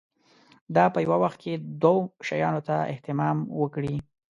دا په یوه وخت کې دوو شیانو ته اهتمام وکړي.